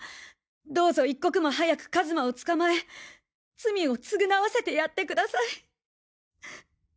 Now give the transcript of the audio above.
どうぞ一刻も早く一馬を捕まえ罪をつぐなわせてやってください。